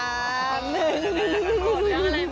โหดได้อะไรบ้างมิว